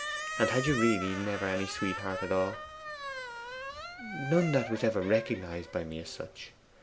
'And had you really never any sweetheart at all?' 'None that was ever recognized by me as such.